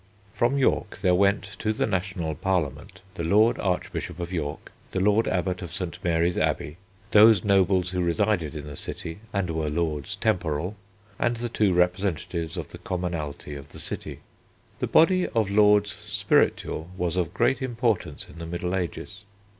_] From York there went to the national Parliament the lord Archbishop of York, the lord Abbot of St. Mary's Abbey, those nobles who resided in the city and were Lords Temporal, and the two representatives of the commonalty of the city. The body of Lords Spiritual was of great importance in the Middle Ages.